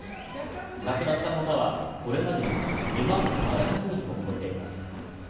亡くなった方はこれまでに２万７００人を超えています。